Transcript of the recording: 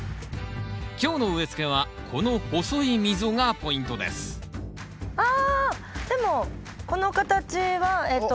今日の植えつけはこの細い溝がポイントですあでもこの形はえっと。